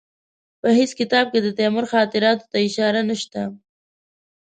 په هېڅ کتاب کې د تیمور خاطراتو ته اشاره نشته.